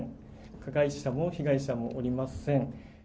加害者も被害者もおりません。